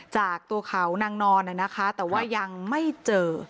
จากตัวเขานางนอนนะคะแต่ว่ายังไม่เจอ